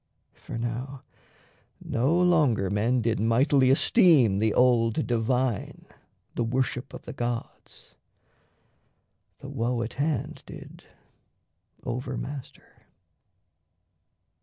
For now no longer men Did mightily esteem the old Divine, The worship of the gods: the woe at hand Did over master.